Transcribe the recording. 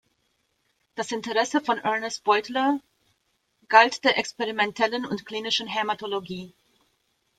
Das Interesse von Ernest Beutler galt der experimentellen und klinischen Hämatologie.